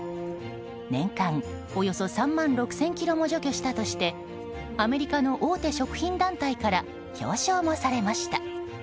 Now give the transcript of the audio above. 年間およそ３万６０００ｋｇも除去したとしてアメリカの大手食品団体から表彰もされました。